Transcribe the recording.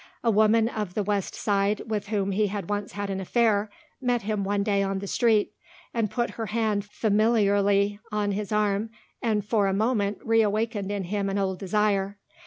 A woman of the west side, with whom he had once had an affair, met him one day on the street, and put her hand familiarly on his arm and for the moment reawakened in him an old desire.